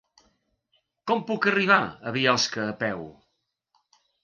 Com puc arribar a Biosca a peu?